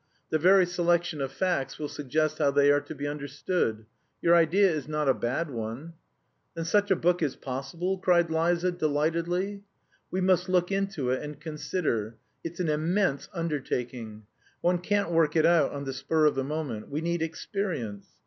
The very selection of facts will suggest how they are to be understood. Your idea is not a bad one." "Then such a book is possible?" cried Liza delightedly. "We must look into it and consider. It's an immense undertaking. One can't work it out on the spur of the moment. We need experience.